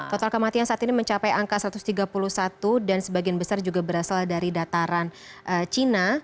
total kematian saat ini mencapai angka satu ratus tiga puluh satu dan sebagian besar juga berasal dari dataran cina